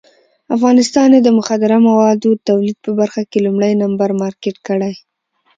افغانستان یې د مخدره موادو د تولید په برخه کې لومړی نمبر مارکېټ کړی.